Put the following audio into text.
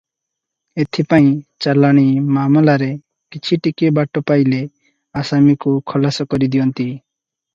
ଏଥି ପାଇଁ ଚାଲାଣି ମାମଲାରେ କିଛି ଟିକିଏ ବାଟ ପାଇଲେ ଆସାମୀକୁ ଖଲାସ କରି ଦିଅନ୍ତି ।